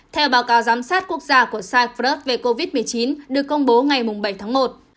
theo báo cáo giám sát quốc gia của cypert về covid một mươi chín được công bố ngày bảy tháng một